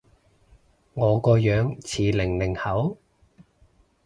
我個樣似零零後？